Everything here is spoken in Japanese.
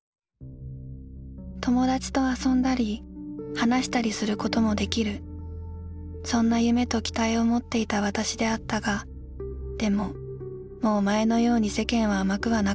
「友達と遊んだり話したりすることも出来るそんな夢と期待を持っていた私であったがでももう前のように世間は甘くはなかった。